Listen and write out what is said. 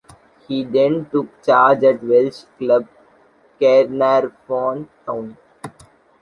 He then took charge at Welsh club Caernarfon Town.